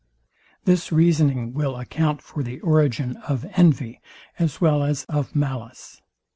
This reasoning will account for the origin of envy as well as of malice.